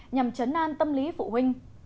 nhằm chấn an tâm lý phụ huynh